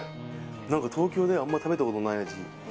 何か東京であんま食べたことない味